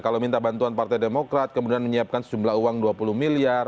kalau minta bantuan partai demokrat kemudian menyiapkan sejumlah uang dua puluh miliar